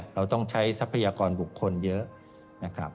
เราต้องใช้ทรัพยากรบุคคลเยอะนะครับ